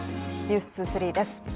「ｎｅｗｓ２３」です。